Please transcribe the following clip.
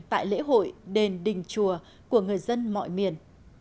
tại lễ hội đền đình đình chùa của người dân mọi miền